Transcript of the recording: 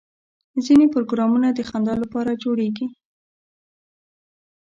ځینې پروګرامونه د خندا لپاره جوړېږي.